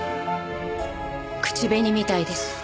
口紅みたいです。